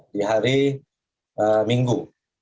di hari minggu